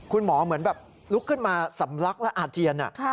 เหมือนแบบลุกขึ้นมาสำลักและอาเจียน